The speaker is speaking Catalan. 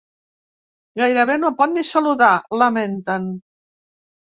“Gairebé no pot ni saludar”, lamenten.